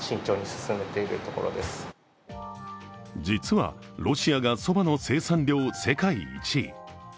実はロシアがそばの生産量世界１位。